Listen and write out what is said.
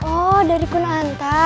oh dari kunanta